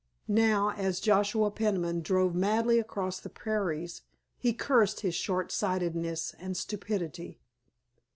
Now as Joshua Peniman drove madly across the prairies he cursed his short sightedness and stupidity.